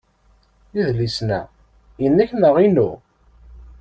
Idlisen-a, inek neɣ inu?